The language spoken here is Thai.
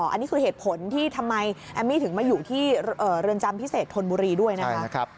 อันนี้คือเหตุผลที่ทำไมแอมมี่ถึงมาอยู่ที่เรือนจำพิเศษธนบุรีด้วยนะคะ